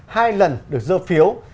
hai lần được dơ phiếu